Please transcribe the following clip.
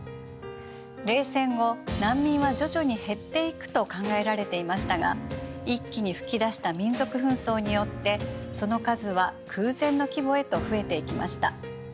冷戦後難民は徐々に減っていくと考えられていましたが一気に噴き出した民族紛争によってその数は空前の規模へと増えていきました。